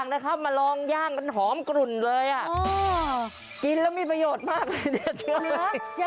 นะคะมาลองย่างกันฮอมกรุ่นเลยอ่ากินแล้วมีประโยชน์มากเลยเนี่ยแหวะ